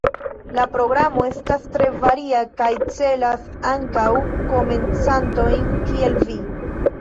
La programo estas tre varia kaj celas ankaŭ komencantojn kiel vi.